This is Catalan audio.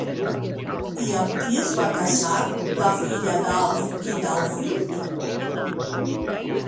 I amb qui es va casar la filla d'Alf i d'Alfhild?